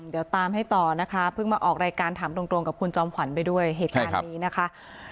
เดี๋ยวตามให้ต่อนะคะเพิ่งมาออกรายการถามตรงกับคุณจอมขวัญไปด้วยเหตุการณ์นี้นะคะ